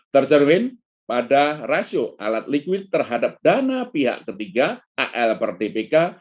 terjerwin pada rasio alat likuid terhadap dana pihak ketiga